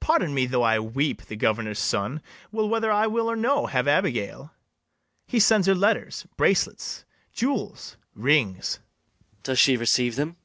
Pardon me though I weep: the governor's son Will, whether I will or no, have Abigail; He sends her letters, bracelets, jewels, rings. MATHIAS. Does she receive them?